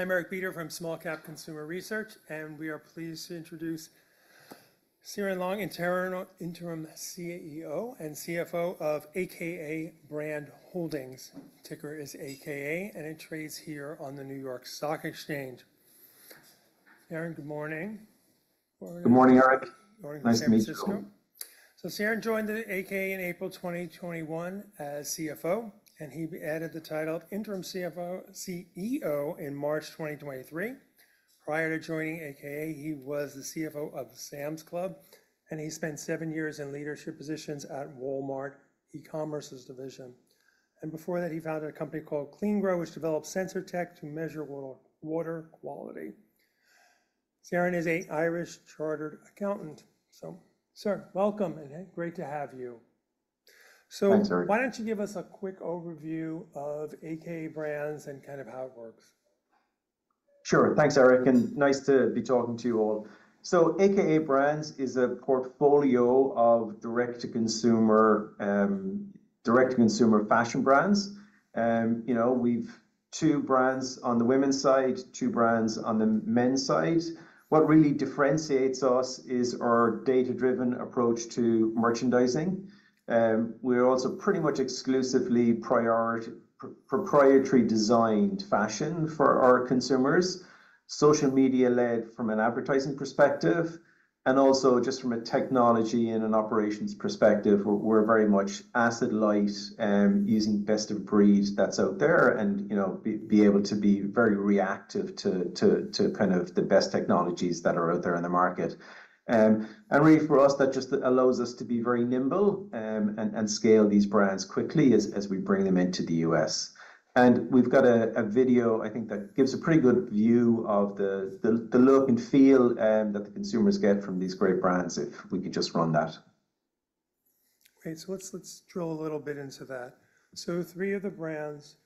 I'm Eric Beder from Small Cap Consumer Research, and we are pleased to introduce Ciaran Long, interim CEO and CFO of a.k.a. Brands Holding Corp. Ticker is AKA, and it trades here on the New York Stock Exchange. Ciaran, good morning. Good morning, Eric. Good morning, San Francisco. Nice to meet you. Ciaran joined the AKA in April 2021 as CFO, and he added the title of interim CEO in March 2023. Prior to joining AKA, he was the CFO of Sam's Club, and he spent seven years in leadership positions at Walmart e-commerce division. Before that, he founded a company called CleanGrow, which developed sensor tech to measure water quality. Ciaran is an Irish chartered accountant. So, sir, welcome, and great to have you. Thanks, Eric. Why don't you give us a quick overview of a.k.a. Brands and kind of how it works? Sure. Thanks, Eric, and nice to be talking to you all. So a.k.a. Brands is a portfolio of direct-to-consumer, direct-to-consumer fashion brands. You know, we've two brands on the women's side, two brands on the men's side. What really differentiates us is our data-driven approach to merchandising. We are also pretty much exclusively proprietary designed fashion for our consumers, social media-led from an advertising perspective, and also just from a technology and an operations perspective, we're very much asset-light, using best of breed that's out there and, you know, be able to be very reactive to kind of the best technologies that are out there in the market. And really for us, that just allows us to be very nimble, and scale these brands quickly as we bring them into the U.S. We've got a video I think that gives a pretty good view of the look and feel that the consumers get from these great brands, if we could just run that. Okay, so let's drill a little bit into that. So three of the brands,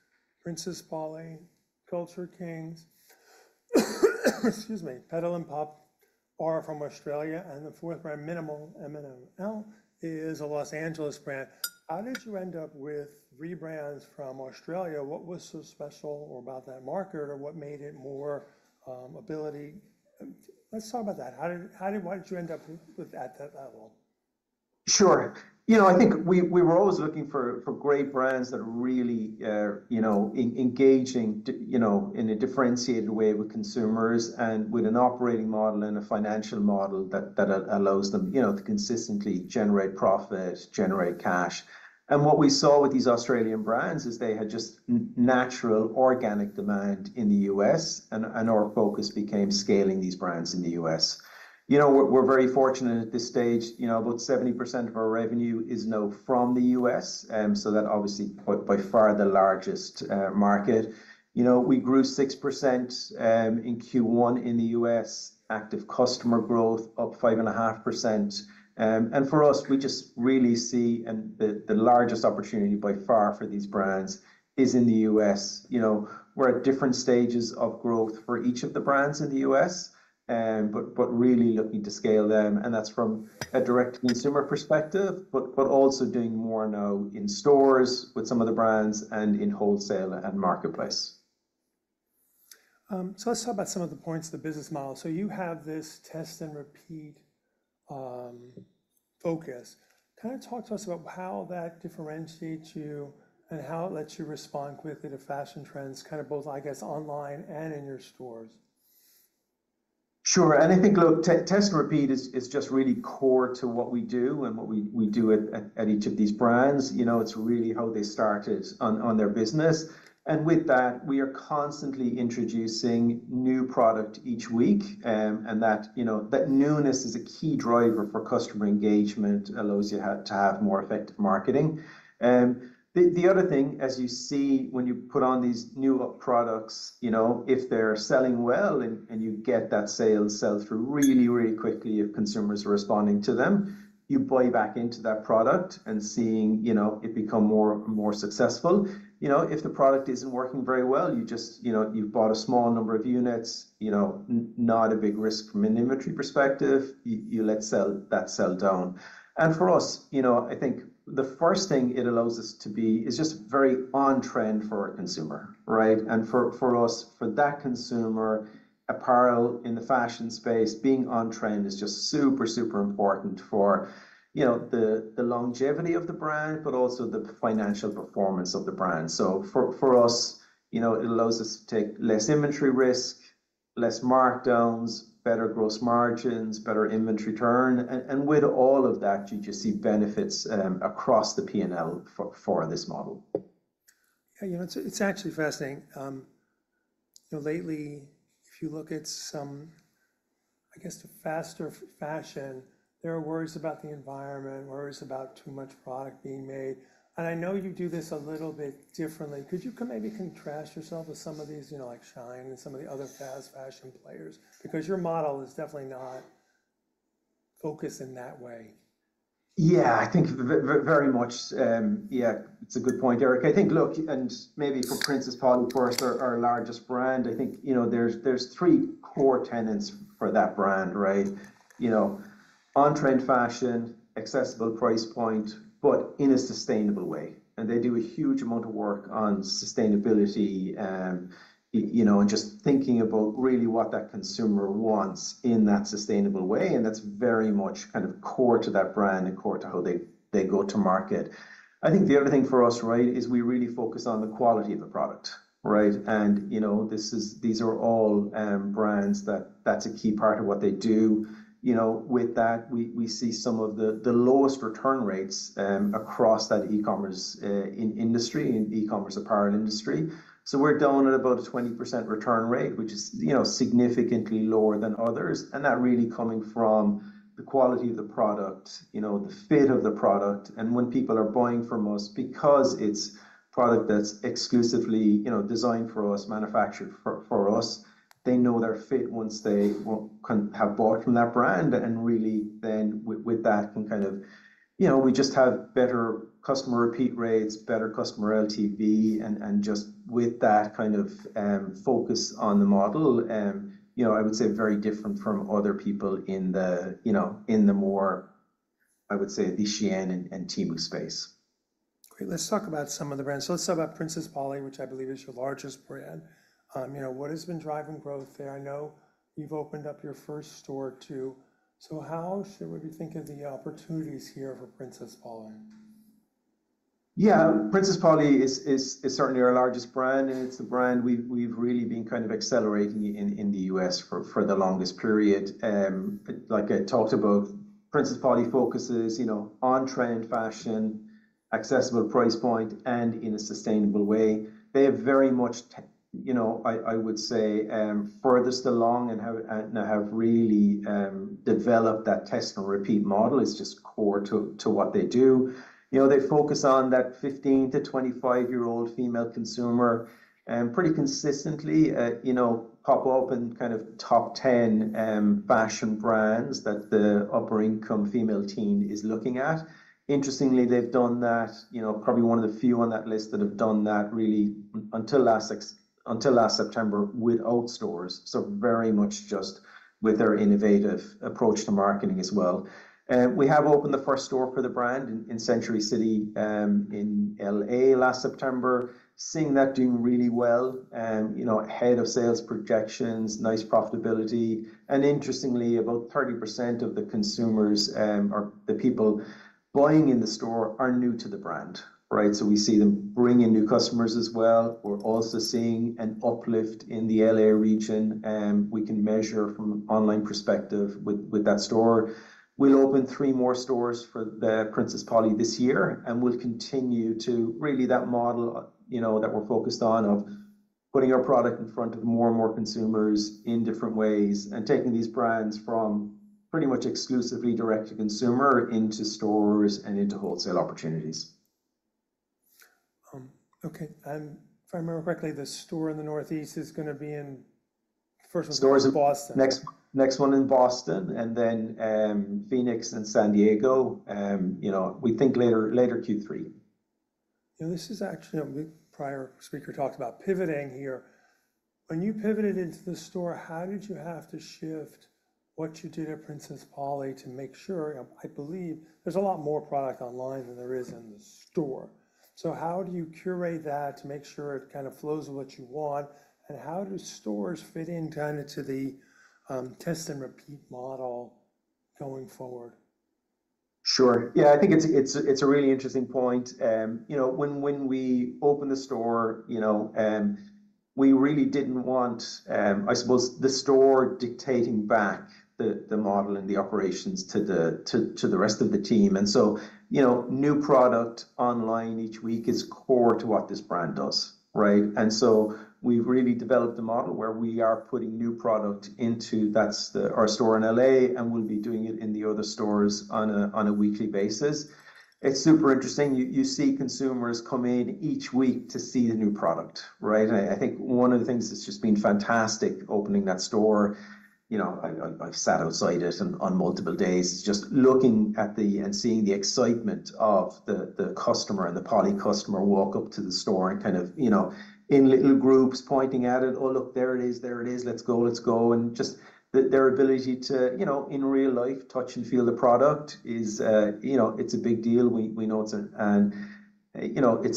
Princess Polly, Culture Kings, excuse me, Petal & Pup, are from Australia, and the fourth brand, mnml, is a Los Angeles brand. How did you end up with three brands from Australia? What was so special or about that market, or what made it more ability? Let's talk about that. How did—why did you end up with that role? Sure. You know, I think we, we were always looking for, for great brands that are really, you know, engaging, you know, in a differentiated way with consumers and with an operating model and a financial model that, that allows them, you know, to consistently generate profit, generate cash. And what we saw with these Australian brands is they had just natural, organic demand in the U.S., and, and our focus became scaling these brands in the U.S. You know, we're, we're very fortunate at this stage, you know, about 70% of our revenue is now from the U.S., so that obviously by, by far the largest, market. You know, we grew 6%, in Q1 in the U.S., active customer growth up 5.5%. And for us, we just really see, and the largest opportunity by far for these brands is in the U.S. You know, we're at different stages of growth for each of the brands in the U.S., but really looking to scale them, and that's from a direct consumer perspective, but also doing more now in stores with some of the brands and in wholesale and marketplace. So let's talk about some of the points of the business model. You have this test and repeat focus. Kind of talk to us about how that differentiates you and how it lets you respond quickly to fashion trends, kind of both, I guess, online and in your stores. Sure, and I think, look, test and repeat is just really core to what we do and what we do at each of these brands. You know, it's really how they started on their business, and with that, we are constantly introducing new product each week, and that, you know, that newness is a key driver for customer engagement, allows you to have more effective marketing. The other thing, as you see when you put on these new products, you know, if they're selling well and you get that sell-through really quickly, if consumers are responding to them, you buy back into that product and seeing it become more successful. You know, if the product isn't working very well, you just, you know, you've bought a small number of units, you know, not a big risk from an inventory perspective. You let it sell down. And for us, you know, I think the first thing it allows us to be is just very on trend for our consumer, right? And for us, for that consumer, apparel in the fashion space, being on trend is just super, super important for, you know, the longevity of the brand, but also the financial performance of the brand. So for us, you know, it allows us to take less inventory risk, less markdowns, better gross margins, better inventory turn, and with all of that, you just see benefits across the P&L for this model. Yeah, you know, it's actually fascinating. You know, lately, if you look at some, I guess, fast fashion, there are worries about the environment, worries about too much product being made, and I know you do this a little bit differently. Could you maybe contrast yourself with some of these, you know, like, SHEIN and some of the other fast fashion players? Because your model is definitely not focused in that way. Yeah, I think very much. Yeah, it's a good point, Eric. I think, look, and maybe for Princess Polly, for us, our, our largest brand, I think, you know, there's, there's three core tenets for that brand, right? You know, on-trend fashion, accessible price point, but in a sustainable way. And they do a huge amount of work on sustainability, you know, and just thinking about really what that consumer wants in that sustainable way, and that's very much kind of core to that brand and core to how they, they go to market. I think the other thing for us, right, is we really focus on the quality of the product, right? And, you know, these are all brands that that's a key part of what they do. You know, with that, we see some of the lowest return rates across that e-commerce in industry, in e-commerce apparel industry. So we're down at about a 20% return rate, which is, you know, significantly lower than others, and that really coming from the quality of the product, you know, the fit of the product. And when people are buying from us, because it's product that's exclusively, you know, designed for us, manufactured for us, they know their fit once they have bought from that brand, and really then with that, can kind of... You know, we just have better customer repeat rates, better customer LTV, and just with that kind of focus on the model, you know, I would say very different from other people in the, you know, in the more, I would say, SHEIN and Temu space. Great. Let's talk about some of the brands. So let's talk about Princess Polly, which I believe is your largest brand. You know, what has been driving growth there? I know you've opened up your first store, too. So how should we be thinking of the opportunities here for Princess Polly? Yeah. Princess Polly is certainly our largest brand, and it's the brand we've really been kind of accelerating in the U.S. for the longest period. Like I talked about, Princess Polly focuses, you know, on trend fashion, accessible price point, and in a sustainable way. They have very much, you know, I would say, furthest along and have really developed that test and repeat model. It's just core to what they do. You know, they focus on that 15-25-year-old female consumer, pretty consistently, you know, pop up in kind of top 10 fashion brands that the upper income female teen is looking at. Interestingly, they've done that, you know, probably one of the few on that list that have done that really until last September without stores, so very much just with their innovative approach to marketing as well. We have opened the first store for the brand in Century City in L.A. last September. Seeing that doing really well, you know, ahead of sales projections, nice profitability, and interestingly, about 30% of the consumers or the people buying in the store are new to the brand, right? So we see them bringing new customers as well. We're also seeing an uplift in the L.A. region, we can measure from online perspective with that store. We'll open three more stores for Princess Polly this year, and we'll continue to... Really, that model, you know, that we're focused on, of putting our product in front of more and more consumers in different ways and taking these brands from pretty much exclusively direct to consumer, into stores and into wholesale opportunities. Okay, and if I remember correctly, the store in the Northeast is gonna be first one is in Boston. Next, next one in Boston, and then, Phoenix and San Diego, you know, we think later, later Q3. You know, this is actually, the prior speaker talked about pivoting here. When you pivoted into the store, how did you have to shift what you did at Princess Polly to make sure, I believe there's a lot more product online than there is in the store. So how do you curate that to make sure it kind of flows with what you want, and how do stores fit in kind of to the, test and repeat model going forward? Sure. Yeah, I think it's a really interesting point. You know, when we opened the store, you know, we really didn't want, I suppose, the store dictating back the model and the operations to the rest of the team. And so, you know, new product online each week is core to what this brand does, right? And so we've really developed a model where we are putting new product into our store in L.A., and we'll be doing it in the other stores on a weekly basis. It's super interesting. You see consumers come in each week to see the new product, right? I think one of the things that's just been fantastic opening that store, you know, I've sat outside it on multiple days, just looking at and seeing the excitement of the customer and the Polly customer walk up to the store and kind of, you know, in little groups pointing at it, "Oh, look, there it is. There it is. Let's go, let's go." And just their ability to, you know, in real life, touch and feel the product is, you know, it's a big deal. We know it's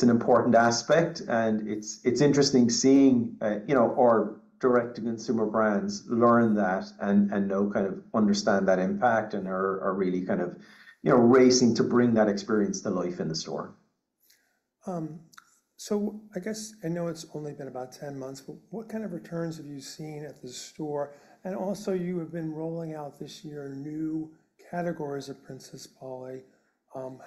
an important aspect, and it's interesting seeing, you know, our direct-to-consumer brands learn that and now kind of understand that impact and are really kind of, you know, racing to bring that experience to life in the store. So, I guess I know it's only been about 10 months, but what kind of returns have you seen at the store? And also, you have been rolling out this year, new categories of Princess Polly.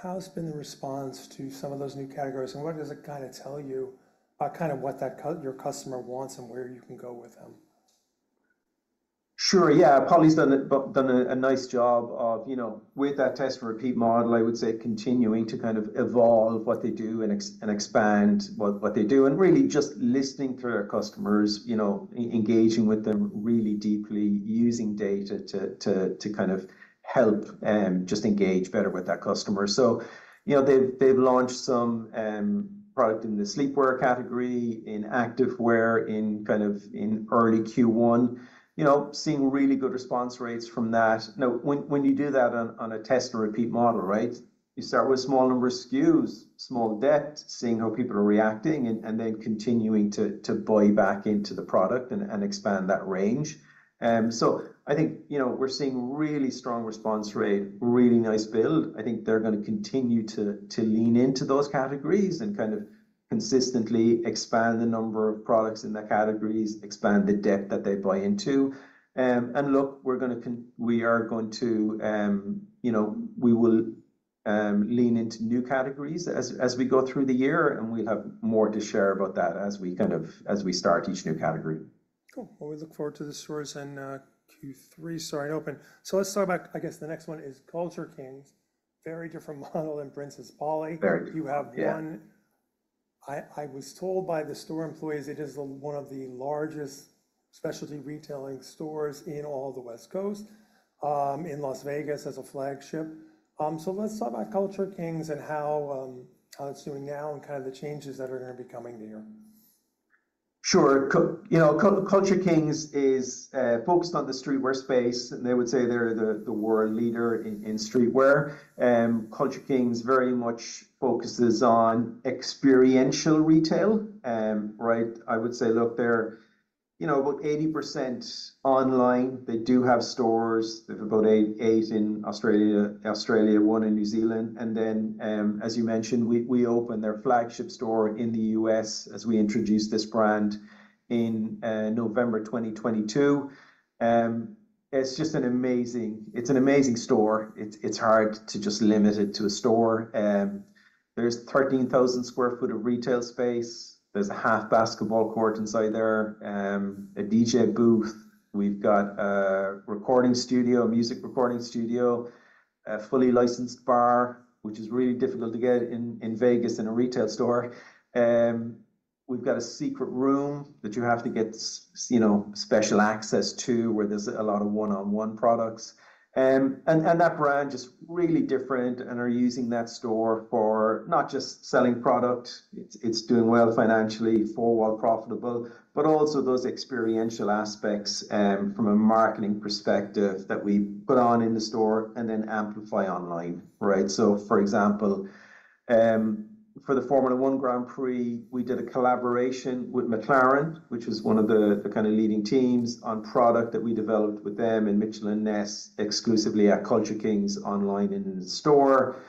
How's been the response to some of those new categories, and what does it kind of tell you about kind of what that your customer wants and where you can go with them?... Sure, yeah, Polly's done a nice job of, you know, with that test and repeat model, I would say, continuing to kind of evolve what they do and expand what they do, and really just listening to their customers, you know, engaging with them really deeply, using data to kind of help just engage better with that customer. So, you know, they've launched some product in the sleepwear category, in activewear, in kind of early Q1. You know, seeing really good response rates from that. Now, when you do that on a test and repeat model, right? You start with small number SKUs, small depth, seeing how people are reacting, and then continuing to buy back into the product and expand that range. So I think, you know, we're seeing really strong response rate, really nice build. I think they're gonna continue to lean into those categories and kind of consistently expand the number of products in the categories, expand the depth that they buy into. And look, we're going to, you know, we will lean into new categories as we go through the year, and we'll have more to share about that as we kind of start each new category. Cool. Well, we look forward to the stores in Q3 starting open. So let's talk about... I guess the next one is Culture Kings. Very different model than Princess Polly. Very. You have one- Yeah. I was told by the store employees, it is the one of the largest specialty retailing stores in all the West Coast, in Las Vegas as a flagship. So let's talk about Culture Kings and how it's doing now and kind of the changes that are gonna be coming there. Sure. You know, Culture Kings is focused on the streetwear space, and they would say they're the world leader in streetwear. Culture Kings very much focuses on experiential retail. Right? I would say, look, they're, you know, about 80% online. They do have stores. They've about 8 in Australia, 1 in New Zealand, and then, as you mentioned, we opened their flagship store in the U.S. as we introduced this brand in November 2022. It's just an amazing store. It's hard to just limit it to a store. There's 13,000 sq ft of retail space. There's a half basketball court inside there, a DJ booth. We've got a recording studio, a music recording studio, a fully licensed bar, which is really difficult to get in Vegas in a retail store. We've got a secret room that you have to get special access to, where there's a lot of one-of-one products. And that brand is really different and are using that store for not just selling product, it's doing well financially, four-wall profitable, but also those experiential aspects from a marketing perspective that we put on in the store and then amplify online, right? So, for example, for the Formula One Grand Prix, we did a collaboration with McLaren, which was one of the kind of leading teams on product that we developed with them and Mitchell & Ness exclusively at Culture Kings online and in store.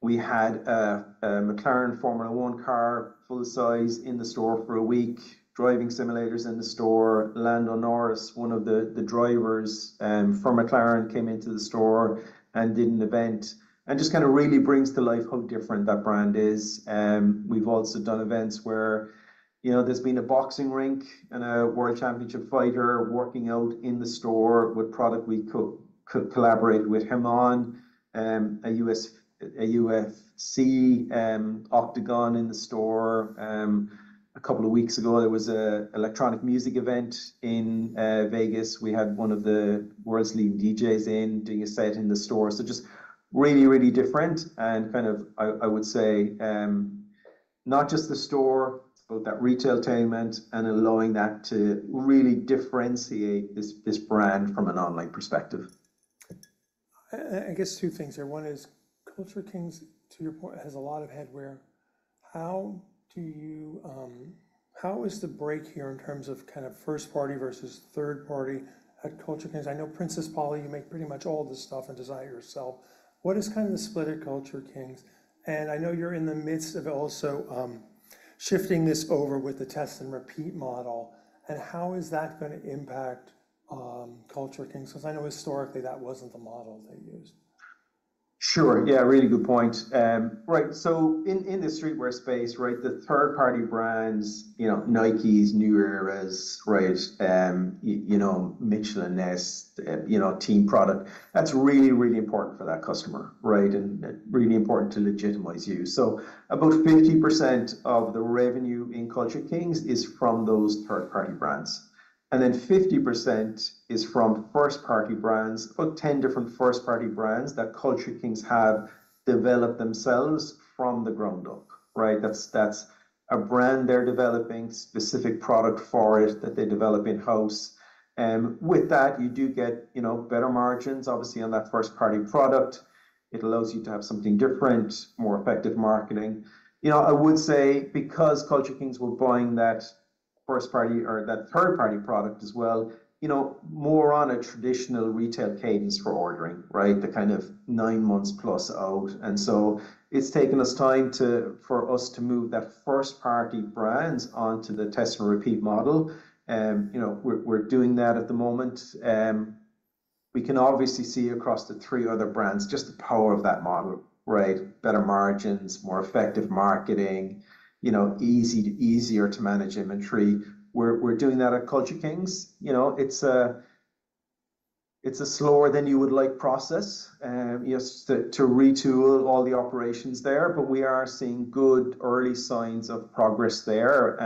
We had a McLaren Formula One car, full size, in the store for a week, driving simulators in the store. Lando Norris, one of the drivers from McLaren, came into the store and did an event, and just kind of really brings to life how different that brand is. We've also done events where, you know, there's been a boxing rink and a world championship fighter working out in the store with product we could collaborate with him on. A UFC Octagon in the store. A couple of weeks ago, there was an electronic music event in Vegas. We had one of the world's leading DJs in, doing a set in the store. So just really, really different and kind of, I would say, not just the store, but that retail-tainment and allowing that to really differentiate this, this brand from an online perspective. I, I guess two things here. One is, Culture Kings, to your point, has a lot of headwear. How do you... How is the breakdown here in terms of kind of first party versus third party at Culture Kings? I know Princess Polly, you make pretty much all the stuff and design yourself. What is kind of the split at Culture Kings? And I know you're in the midst of also shifting this over with the test and repeat model, and how is that gonna impact Culture Kings? Because I know historically, that wasn't the model they used. Sure. Yeah, really good point. Right, so in the streetwear space, right, the third-party brands, you know, Nikes, New Eras, right? You know, Mitchell & Ness, you know, team product, that's really, really important for that customer, right? And really important to legitimize you. So about 50% of the revenue in Culture Kings is from those third-party brands, and then 50% is from first-party brands. About 10 different first-party brands that Culture Kings have developed themselves from the ground up, right? That's a brand they're developing, specific product for it that they develop in-house. With that, you do get, you know, better margins, obviously, on that first-party product. It allows you to have something different, more effective marketing. You know, I would say because Culture Kings were buying that first-party or that third-party product as well, you know, more on a traditional retail cadence for ordering, right? The kind of nine months plus out, and so it's taken us time to—for us to move that first-party brands onto the test and repeat model. You know, we're doing that at the moment. We can obviously see across the three other brands, just the power of that model, right? Better margins, more effective marketing, you know, easier to manage inventory. We're doing that at Culture Kings. You know, it's a slower than you would like process, yes, to retool all the operations there, but we are seeing good early signs of progress there.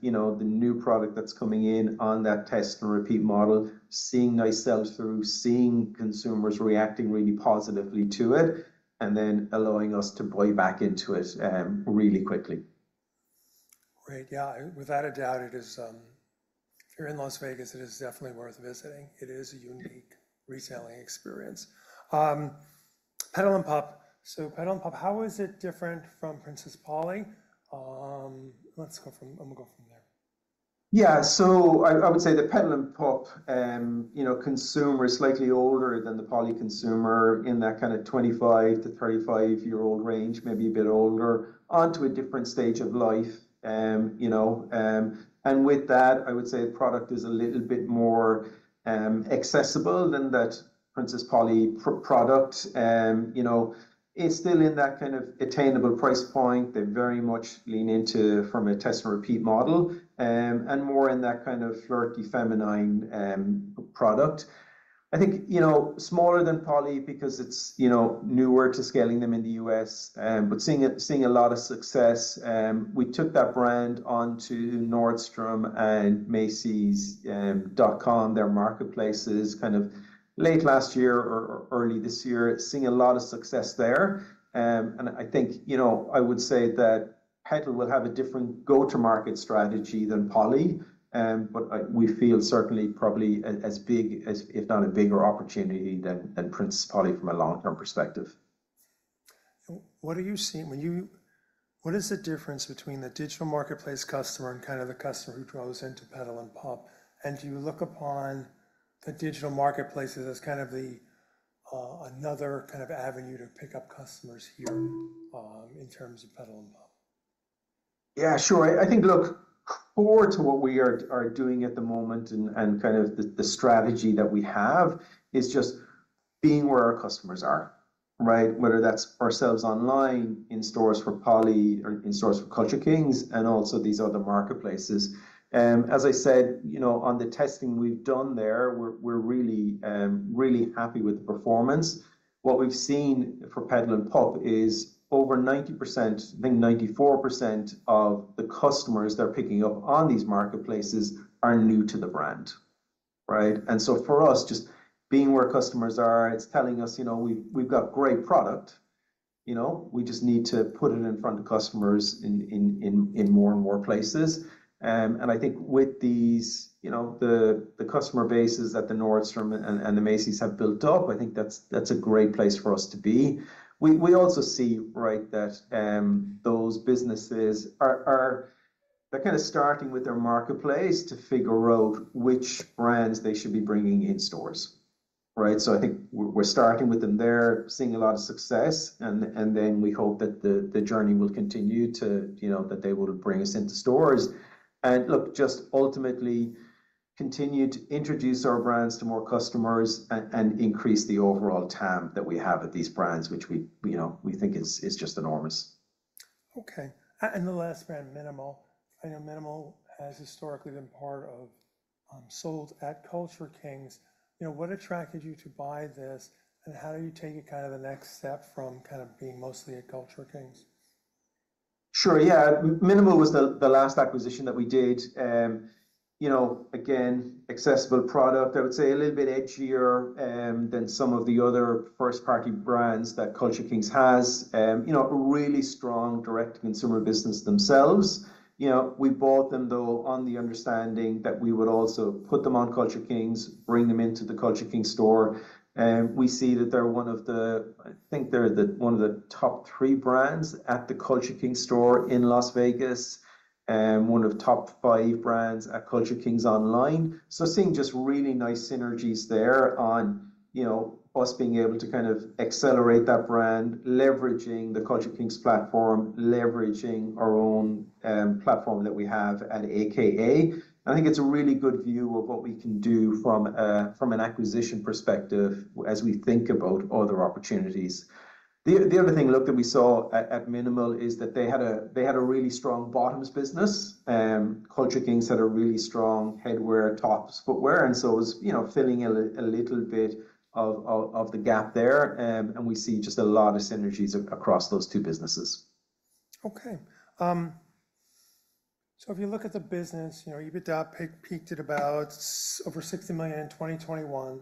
You know, the new product that's coming in on that test and repeat model, seeing nice sell-through, seeing consumers reacting really positively to it, and then allowing us to buy back into it, really quickly. Great. Yeah, without a doubt, it is, if you're in Las Vegas, it is definitely worth visiting. It is a unique retailing experience. Petal & Pup. So Petal & Pup, how is it different from Princess Polly? Let's go from there. Yeah. So I would say the Petal & Pup, you know, consumer is slightly older than the Polly consumer, in that kind of 25-35 year-old range, maybe a bit older, onto a different stage of life. You know, and with that, I would say the product is a little bit more accessible than that Princess Polly product. You know, it's still in that kind of attainable price point. They very much lean into from a test and repeat model, and more in that kind of flirty, feminine product. I think, you know, smaller than Polly because it's, you know, newer to scaling them in the U.S., but seeing a lot of success. We took that brand onto Nordstrom and Macys.com, their marketplaces, kind of late last year or early this year, seeing a lot of success there. And I think, you know, I would say that Petal will have a different go-to-market strategy than Polly, but we feel certainly probably as big as, if not a bigger opportunity than Princess Polly from a long-term perspective. What is the difference between the digital marketplace customer and kind of the customer who draws into Petal & Pup? And do you look upon the digital marketplaces as kind of the another kind of avenue to pick up customers here, in terms of Petal & Pup? Yeah, sure. I think, look, core to what we are doing at the moment and kind of the strategy that we have is just being where our customers are, right? Whether that's ourselves online, in stores for Polly or in stores for Culture Kings, and also these other marketplaces. As I said, you know, on the testing we've done there, we're really happy with the performance. What we've seen for Petal & Pup is over 90%, I think 94% of the customers that are picking up on these marketplaces are new to the brand, right? And so for us, just being where customers are, it's telling us, you know, we've got great product, you know? We just need to put it in front of customers in more and more places. And I think with these, you know, the customer bases that the Nordstrom and the Macy's have built up, I think that's a great place for us to be. We also see, right, that those businesses are they're kind of starting with their marketplace to figure out which brands they should be bringing in stores, right? So I think we're starting with them there, seeing a lot of success, and then we hope that the journey will continue to, you know, that they will bring us into stores. Look, just ultimately continue to introduce our brands to more customers and increase the overall TAM that we have at these brands, which we, you know, we think is just enormous. Okay. And the last brand, mnml. I know mnml has historically been part of, sold at Culture Kings. You know, what attracted you to buy this, and how are you taking kind of the next step from kind of being mostly at Culture Kings? Sure, yeah. mnml was the last acquisition that we did. You know, again, accessible product, I would say a little bit edgier than some of the other first-party brands that Culture Kings has. You know, a really strong direct-to-consumer business themselves. You know, we bought them, though, on the understanding that we would also put them on Culture Kings, bring them into the Culture Kings store. We see that they're one of the—I think they're one of the top three brands at the Culture Kings store in Las Vegas, one of the top five brands at Culture Kings online. So seeing just really nice synergies there on, you know, us being able to kind of accelerate that brand, leveraging the Culture Kings platform, leveraging our own platform that we have at AKA. I think it's a really good view of what we can do from an acquisition perspective as we think about other opportunities. The other thing, look, that we saw at mnml is that they had a really strong bottoms business. Culture Kings had a really strong headwear, tops, footwear, and so it was, you know, filling a little bit of the gap there. And we see just a lot of synergies across those two businesses. Okay. So if you look at the business, you know, EBITDA peaked at about over $60 million in 2021.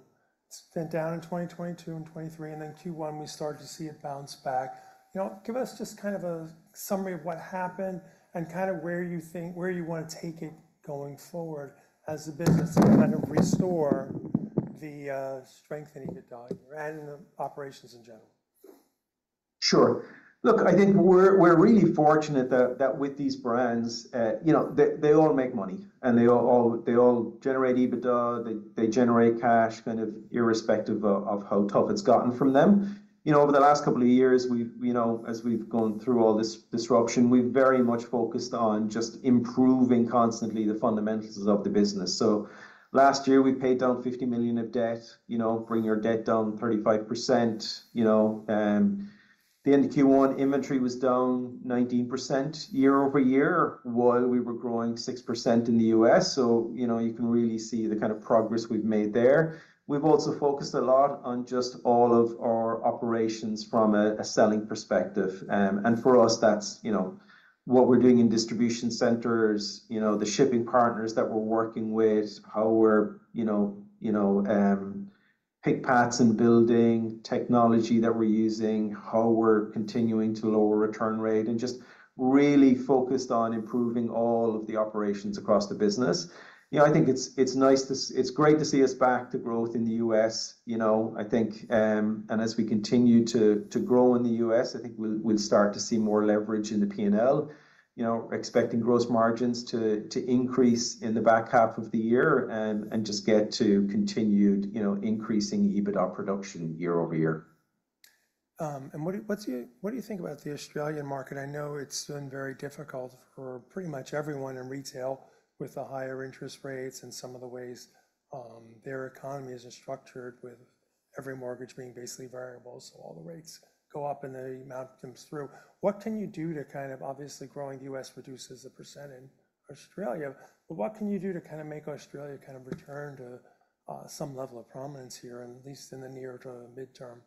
It's been down in 2022 and 2023, and then Q1, we started to see it bounce back. You know, give us just kind of a summary of what happened and kind of where you think where you want to take it going forward as the business to kind of restore the strength in EBITDA and operations in general?... Sure. Look, I think we're really fortunate that with these brands, you know, they all make money, and they all generate EBITDA. They generate cash, kind of irrespective of how tough it's gotten from them. You know, over the last couple of years, we've, you know, as we've gone through all this disruption, we've very much focused on just improving constantly the fundamentals of the business. So last year, we paid down $50 million of debt, you know, bring our debt down 35%, you know. The end of Q1, inventory was down 19% year-over-year, while we were growing 6% in the U.S. So, you know, you can really see the kind of progress we've made there. We've also focused a lot on just all of our operations from a selling perspective. And for us, that's, you know, what we're doing in distribution centers, you know, the shipping partners that we're working with, how we're, you know, you know, pick paths and building technology that we're using, how we're continuing to lower return rate, and just really focused on improving all of the operations across the business. You know, I think it's, it's nice to—it's great to see us back to growth in the U.S., you know, I think... And as we continue to, to grow in the U.S., I think we'll, we'll start to see more leverage in the P&L. You know, expecting gross margins to, to increase in the back half of the year and, and just get to continued, you know, increasing EBITDA production year-over-year. And what do you think about the Australian market? I know it's been very difficult for pretty much everyone in retail with the higher interest rates and some of the ways, their economies are structured, with every mortgage being basically variable. So all the rates go up, and the amount comes through. What can you do to kind of... Obviously, growing the U.S. reduces the percent in Australia, but what can you do to kind of make Australia kind of return to, some level of prominence here, and at least in the near term or midterm?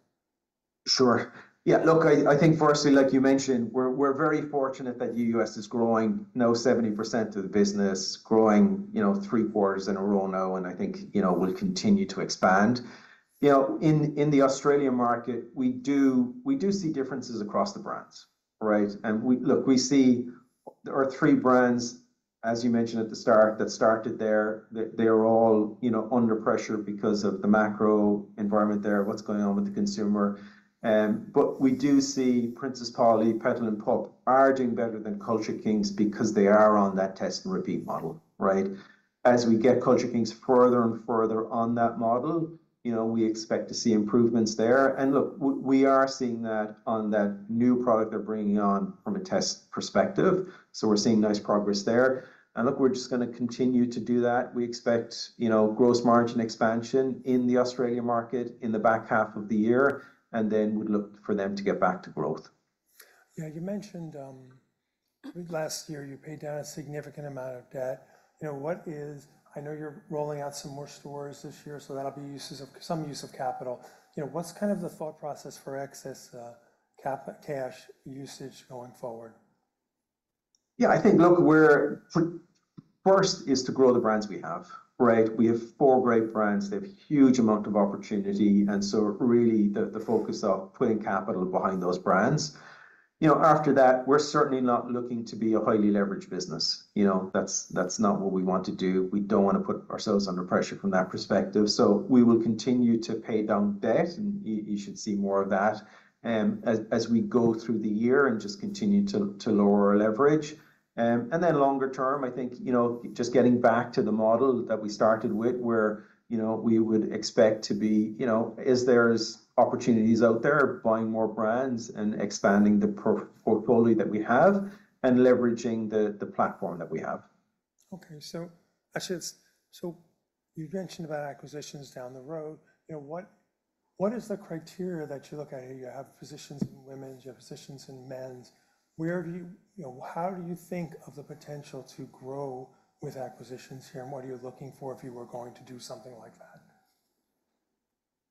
Sure. Yeah, look, I think firstly, like you mentioned, we're very fortunate that the U.S. is growing. Now 70% of the business growing, you know, 3 quarters in a row now, and I think, you know, will continue to expand. You know, in the Australian market, we do see differences across the brands, right? And we look, we see. There are 3 brands, as you mentioned at the start, that started there. They are all, you know, under pressure because of the macro environment there, what's going on with the consumer. But we do see Princess Polly, Petal & Pup are doing better than Culture Kings because they are on that test and repeat model, right? As we get Culture Kings further and further on that model, you know, we expect to see improvements there. Look, we are seeing that on that new product they're bringing on from a test perspective, so we're seeing nice progress there. Look, we're just gonna continue to do that. We expect, you know, gross margin expansion in the Australian market in the back half of the year, and then we'd look for them to get back to growth. Yeah, you mentioned last year, you paid down a significant amount of debt. You know, I know you're rolling out some more stores this year, so that'll be uses of some use of capital. You know, what's kind of the thought process for excess cash usage going forward? Yeah, I think, look, we're for first is to grow the brands we have, right? We have four great brands. They have huge amount of opportunity, and so really, the, the focus of putting capital behind those brands. You know, after that, we're certainly not looking to be a highly leveraged business. You know, that's, that's not what we want to do. We don't wanna put ourselves under pressure from that perspective. So we will continue to pay down debt, and you should see more of that, as, as we go through the year and just continue to, to lower our leverage. And then longer term, I think, you know, just getting back to the model that we started with, where, you know, we would expect to be... You know, as there's opportunities out there, buying more brands and expanding the portfolio that we have and leveraging the platform that we have. Okay. So actually, it's so you've mentioned about acquisitions down the road. You know, what is the criteria that you look at? You have positions in women's, you have positions in men's. Where do you? You know, how do you think of the potential to grow with acquisitions here, and what are you looking for if you were going to do something like that?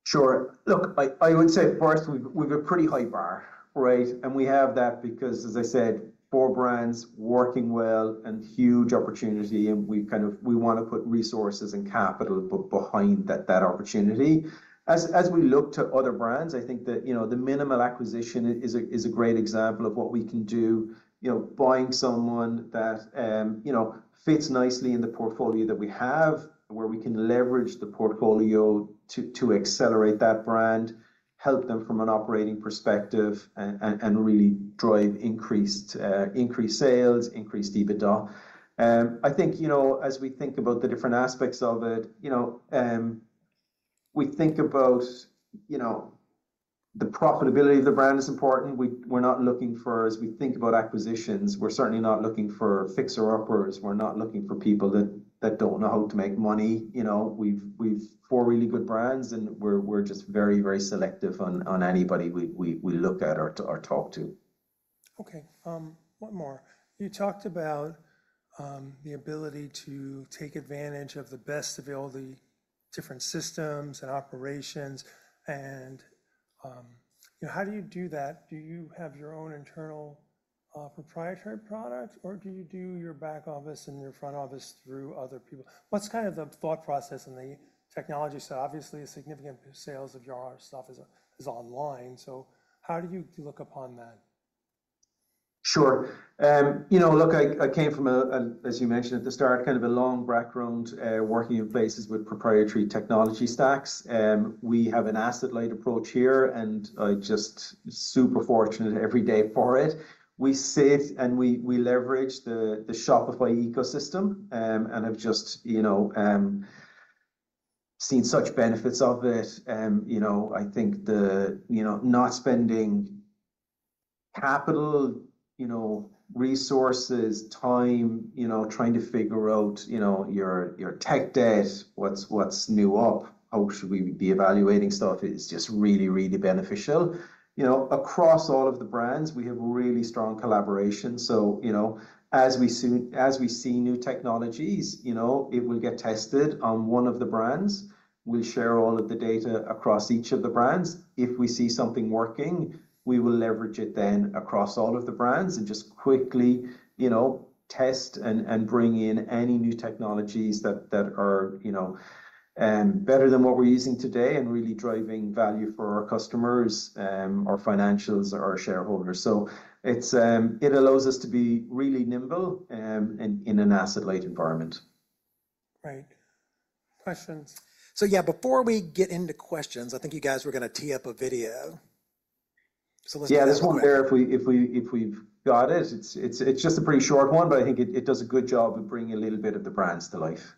Sure. Look, I would say first, we've a pretty high bar, right? And we have that because, as I said, four brands working well and huge opportunity, and we kind of we wanna put resources and capital behind that opportunity. As we look to other brands, I think that, you know, the mnml acquisition is a great example of what we can do. You know, buying someone that, you know, fits nicely in the portfolio that we have, where we can leverage the portfolio to accelerate that brand, help them from an operating perspective, and really drive increased sales, increased EBITDA. I think, you know, as we think about the different aspects of it, you know, we think about, you know, the profitability of the brand is important. As we think about acquisitions, we're certainly not looking for fixer-uppers. We're not looking for people that don't know how to make money, you know. We've four really good brands, and we're just very, very selective on anybody we look at or talk to. Okay, one more. You talked about the ability to take advantage of the best of all the different systems and operations and, you know, how do you do that? Do you have your own internal proprietary products, or do you do your back office and your front office through other people? What's kind of the thought process and the technology? So obviously, a significant sales of your stuff is, is online, so how do you look upon that?... Sure. You know, look, I came from a, as you mentioned at the start, kind of a long background, working in places with proprietary technology stacks. We have an asset-light approach here, and I'm just super fortunate every day for it. We sit, and we leverage the Shopify ecosystem, and I've just, you know, seen such benefits of it. You know, I think, you know, not spending capital, resources, time, trying to figure out, your tech debt, what's new up, how should we be evaluating stuff, is just really, really beneficial. You know, across all of the brands, we have really strong collaboration. So, you know, as we see new technologies, you know, it will get tested on one of the brands. We share all of the data across each of the brands. If we see something working, we will leverage it then across all of the brands and just quickly, you know, test and bring in any new technologies that are, you know, better than what we're using today and really driving value for our customers, our financials, and our shareholders. So it's, it allows us to be really nimble in an asset-light environment. Great. Questions? So yeah, before we get into questions, I think you guys were gonna tee up a video. So let's- Yeah, this one here, if we've got it. It's just a pretty short one, but I think it does a good job of bringing a little bit of the brands to life.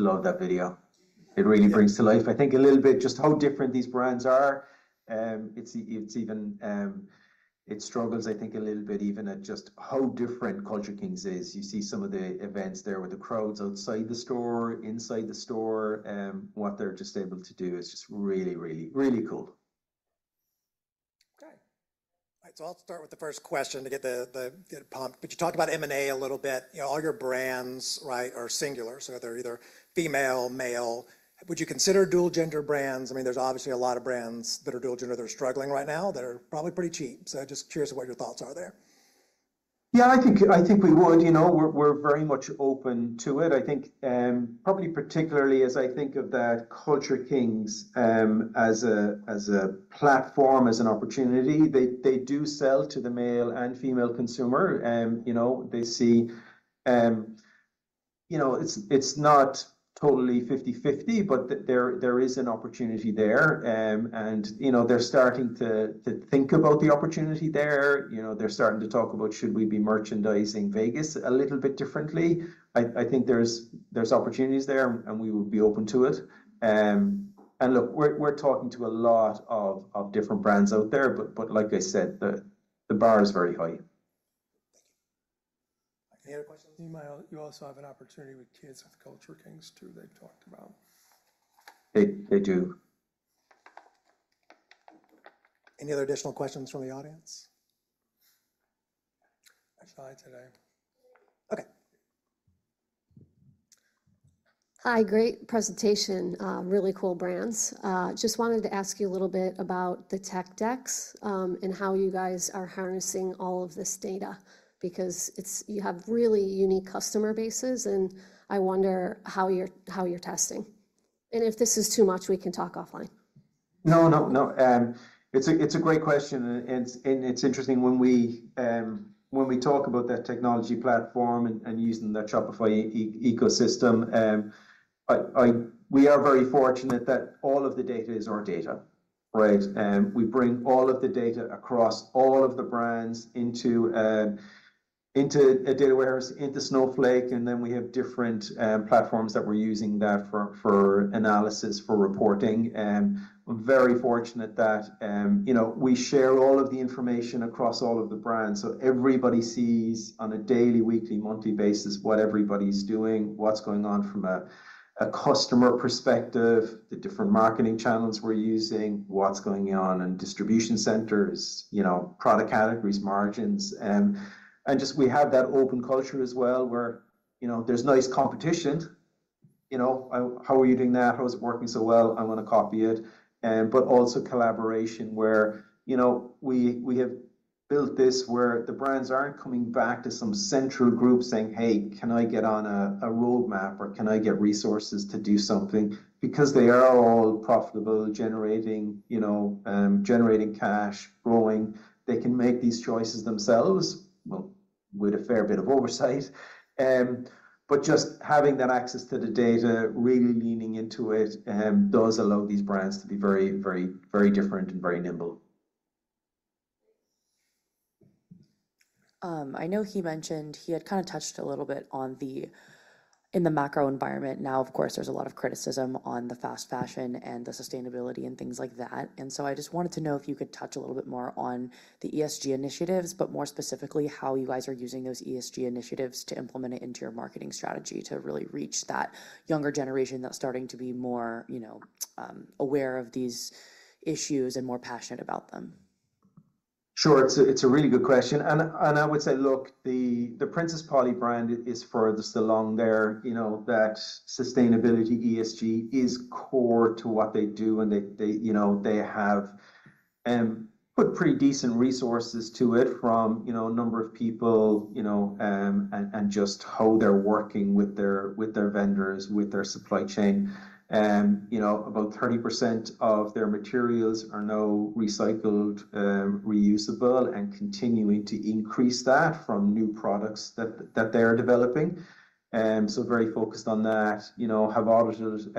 Okay. Thanks. I just love that video. It really brings to life, I think, a little bit just how different these brands are. It's even... It struggles, I think, a little bit even at just how different Culture Kings is. You see some of the events there with the crowds outside the store, inside the store, what they're just able to do is just really, really, really cool. Okay. So I'll start with the first question to get it pumped. But you talked about M&A a little bit. You know, all your brands, right, are singular, so they're either female, male. Would you consider dual-gender brands? I mean, there's obviously a lot of brands that are dual-gender that are struggling right now, that are probably pretty cheap. So just curious of what your thoughts are there. Yeah, I think, I think we would. You know, we're, we're very much open to it. I think, probably particularly as I think of that Culture Kings, as a, as a platform, as an opportunity, they, they do sell to the male and female consumer. You know, they see. You know, it's, it's not totally 50/50, but there, there is an opportunity there. And, you know, they're starting to, to think about the opportunity there. You know, they're starting to talk about, "Should we be merchandising Vegas a little bit differently?" I, I think there's, there's opportunities there, and we would be open to it. And look, we're, we're talking to a lot of, of different brands out there, but, but like I said, the, the bar is very high. Thank you. Any other questions? You also have an opportunity with kids with Culture Kings, too. They've talked about. They do. Any other additional questions from the audience? That's all I have today. Okay. Hi, great presentation. Really cool brands. Just wanted to ask you a little bit about the tech stack, and how you guys are harnessing all of this data, because it's... You have really unique customer bases, and I wonder how you're testing. And if this is too much, we can talk offline. No, no, no. It's a great question, and it's interesting when we talk about that technology platform and using the Shopify ecosystem. We are very fortunate that all of the data is our data, right? We bring all of the data across all of the brands into a data warehouse, into Snowflake, and then we have different platforms that we're using that for analysis, for reporting. We're very fortunate that, you know, we share all of the information across all of the brands. So everybody sees, on a daily, weekly, monthly basis, what everybody's doing, what's going on from a customer perspective, the different marketing channels we're using, what's going on in distribution centers, you know, product categories, margins. And just we have that open culture as well, where, you know, there's nice competition. You know, "How are you doing that? How is it working so well? I want to copy it." But also collaboration, where, you know, we have built this where the brands aren't coming back to some central group saying, "Hey, can I get on a roadmap, or can I get resources to do something?" Because they are all profitable, generating, you know, generating cash, growing. They can make these choices themselves with a fair bit of oversight. But just having that access to the data, really leaning into it, does allow these brands to be very, very, very different and very nimble. I know he mentioned he had kind of touched a little bit on the macro environment. Now, of course, there's a lot of criticism on the fast fashion and the sustainability and things like that, and so I just wanted to know if you could touch a little bit more on the ESG initiatives, but more specifically, how you guys are using those ESG initiatives to implement it into your marketing strategy to really reach that younger generation that's starting to be more, you know, aware of these issues and more passionate about them. Sure. It's a really good question, and I would say, look, the Princess Polly brand is furthest along there. You know, that sustainability, ESG is core to what they do, and they, you know, they have put pretty decent resources to it from a number of people, you know, and just how they're working with their vendors, with their supply chain. You know, about 30% of their materials are now recycled, reusable and continuing to increase that from new products that they're developing. So very focused on that, you know, have audited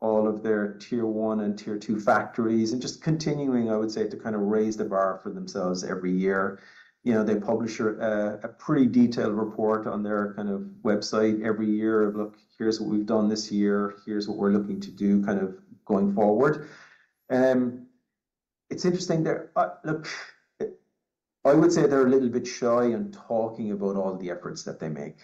all of their tier one and tier two factories, and just continuing, I would say, to kind of raise the bar for themselves every year. You know, they publish a pretty detailed report on their kind of website every year of, "Look, here's what we've done this year. Here's what we're looking to do kind of going forward." It's interesting there. Look, I would say they're a little bit shy in talking about all the efforts that they make,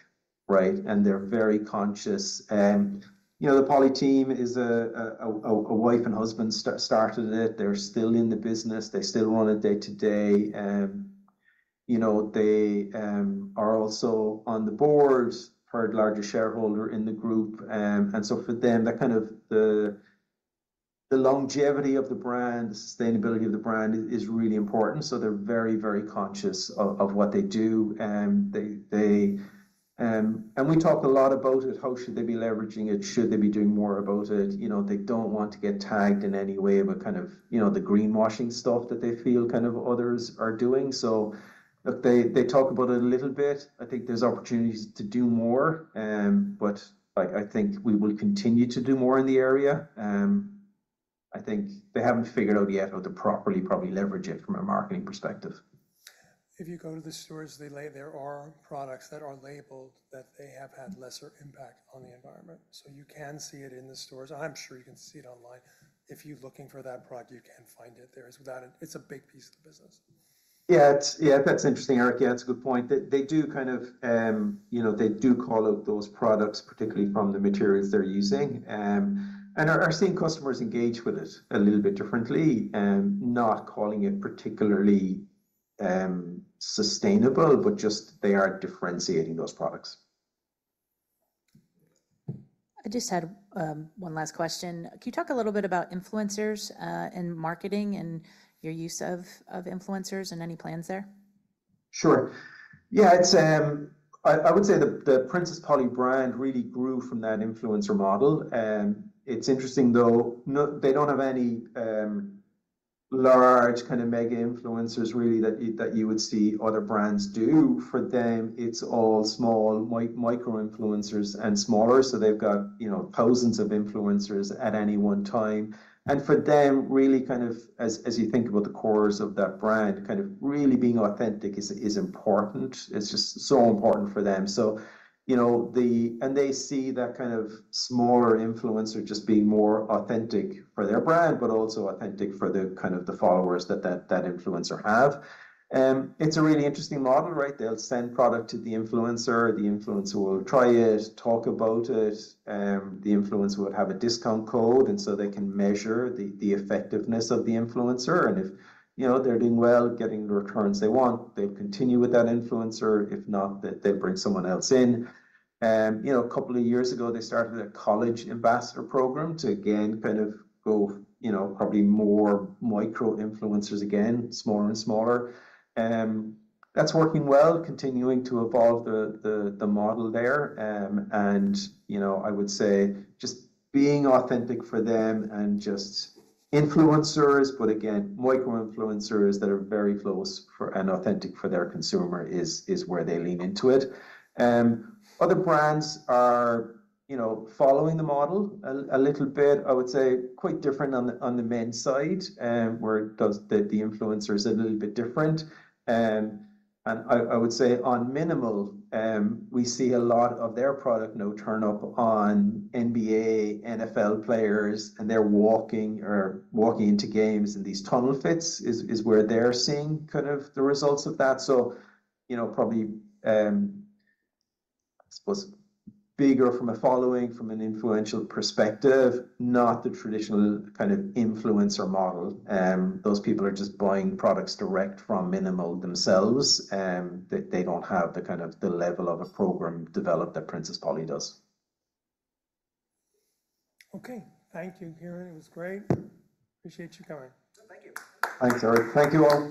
right? And they're very conscious. You know, the Polly team is a wife and husband started it. They're still in the business. They still run it day to day. You know, they are also on the board, third largest shareholder in the group. And so for them, that kind of the longevity of the brand, the sustainability of the brand is really important, so they're very, very conscious of what they do. They, they... We talked a lot about it, how should they be leveraging it? Should they be doing more about it? You know, they don't want to get tagged in any way about kind of, you know, the greenwashing stuff that they feel kind of others are doing. So look, they talk about it a little bit. I think there's opportunities to do more, but, like, I think we will continue to do more in the area. I think they haven't figured out yet how to properly probably leverage it from a marketing perspective. If you go to the stores, they label. There are products that are labeled that they have had lesser impact on the environment. So you can see it in the stores. I'm sure you can see it online. If you're looking for that product, you can find it there. It's a big piece of the business. Yeah, it's... Yeah, that's interesting, Eric. Yeah, that's a good point. They, they do kind of, you know, they do call out those products, particularly from the materials they're using, and are, are seeing customers engage with it a little bit differently, not calling it particularly sustainable, but just they are differentiating those products. I just had one last question. Can you talk a little bit about influencers and marketing and your use of influencers and any plans there? Sure. Yeah, it's I would say the Princess Polly brand really grew from that influencer model. It's interesting, though, they don't have any large kind of mega influencers really that you would see other brands do. For them, it's all small micro influencers and smaller, so they've got, you know, thousands of influencers at any one time. And for them, really kind of as you think about the cores of that brand, kind of really being authentic is important. It's just so important for them. So, you know, and they see that kind of smaller influencer just being more authentic for their brand, but also authentic for the kind of the followers that influencer have. It's a really interesting model, right? They'll send product to the influencer. The influencer will try it, talk about it. The influencer would have a discount code, and so they can measure the effectiveness of the influencer, and if, you know, they're doing well, getting the returns they want, they continue with that influencer. If not, then they bring someone else in. You know, a couple of years ago, they started a college ambassador program to, again, kind of go, you know, probably more micro influencers again, smaller and smaller. That's working well, continuing to evolve the model there. And, you know, I would say just being authentic for them and just influencers, but again, micro influencers that are very close for, and authentic for their consumer is where they lean into it. Other brands are, you know, following the model a little bit. I would say quite different on the men's side, where the influencer is a little bit different. And I would say on mnml, we see a lot of their product now turn up on NBA, NFL players, and they're walking into games in these tunnel fits, where they're seeing kind of the results of that. So, you know, probably, I suppose bigger from a following, from an influential perspective, not the traditional kind of influencer model. Those people are just buying products direct from mnml themselves, they don't have the kind of the level of a program developed that Princess Polly does. Okay. Thank you, Ciaran. It was great. Appreciate you coming. Thank you. Thanks, Eric. Thank you, all.